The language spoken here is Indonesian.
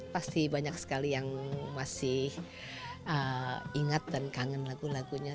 pasti banyak sekali yang masih ingat dan kangen lagu lagunya